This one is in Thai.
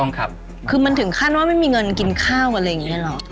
นี่เหรอคือมันถึงขั้นว่าไม่มีเงินกินข้าวก็เลยอย่างนี้เหรอ